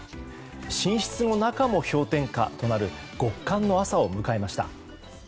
寝室の中も氷点下となる極寒の朝を迎えました。